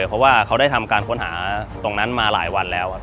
เพราะว่าเขาได้ทำการค้นหาตรงนั้นมาหลายวันแล้ว